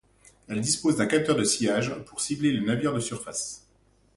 Elle dispose d'un capteur de sillage pour cibler les navires de surface.